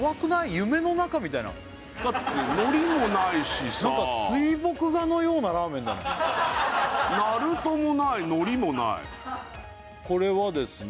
夢の中みたいなだってのりもないしさなんか水墨画のようなラーメンだねなるともないのりもないこれはですね